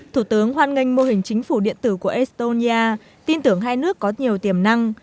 thủ tướng hoan nghênh mô hình chính phủ điện tử của estonia tin tưởng hai nước có nhiều tiềm năng